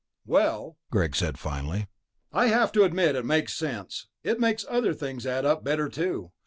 "Well," Greg said finally, "I have to admit it makes sense. It makes other things add up better, too.